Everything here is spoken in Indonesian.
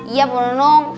iya pun nung